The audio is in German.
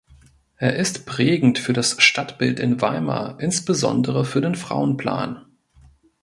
Er ist prägend für das Stadtbild in Weimar insbesondere für den Frauenplan.